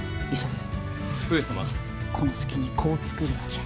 この隙に子を作るのじゃ。